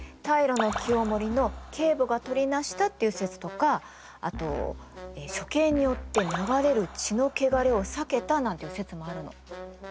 平清盛の継母がとりなしたっていう説とかあと処刑によって流れる血の穢れを避けたなんていう説もあるの。